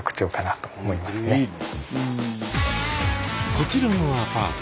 こちらのアパート。